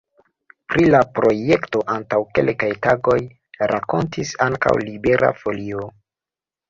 Pri la projekto antaŭ kelkaj tagoj rakontis ankaŭ Libera Folio.